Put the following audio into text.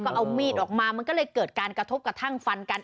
ก็เอามีดออกมามันก็เลยเกิดการกระทบกระทั่งฟันกัน